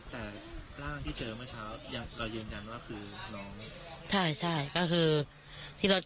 แต่ร่างที่เจอเมื่อเช้าเรายืนยันว่าคือน้อง